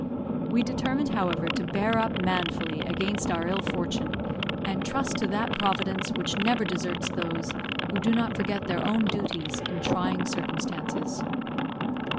We determined, however, to bear up manfully against our ill fortune, and trust to that Providence which never deserts those who do not forget their own duties in trying circumstances.